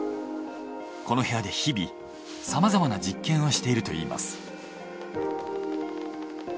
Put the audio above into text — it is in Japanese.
この部屋で日々さまざまな実験をしているといいます。